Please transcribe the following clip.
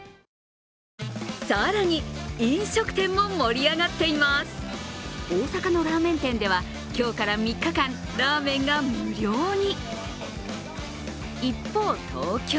更に、飲食店も盛り上がっています大阪のラーメン店では今日から３日間、ラーメンが無料に。